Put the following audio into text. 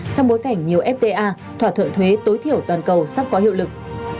trong bối cảnh nhiều fta thỏa thuận thuế tối thiểu toàn cầu sắp có hiệu lực